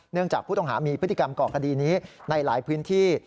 จากผู้ต้องหามีพฤติกรรมก่อคดีนี้ในหลายพื้นที่